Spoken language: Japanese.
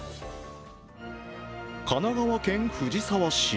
神奈川県藤沢市。